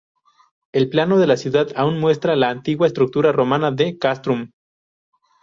El plano de la ciudad aún muestra la antigua estructura romana de "castrum".